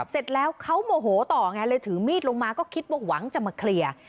เสร็จแล้วเขาโมโหต่อไงเลยถือมีดลงมาก็คิดว่าหวังจะมาเคลียร์